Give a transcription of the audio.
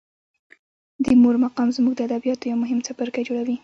د مور مقام زموږ د ادبیاتو یو مهم څپرکی جوړوي.